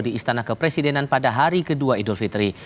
di istana kepresidenan pada hari kedua idul fitri